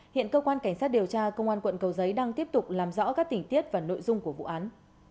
hiện cơ quan cảnh sát điều tra công an quận cầu giấy đang tiếp tục làm rõ các tình tiết và nội dung của vụ án